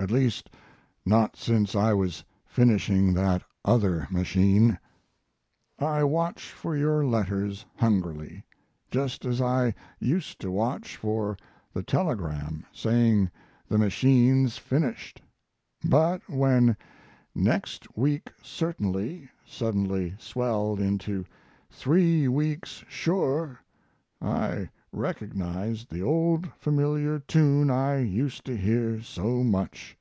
At least not since I was finishing that other machine. I watch for your letters hungrily just as I used to watch for the telegram saying the machine's finished but when "next week certainly" suddenly swelled into "three weeks sure" I recognized the old familiar tune I used to hear so much.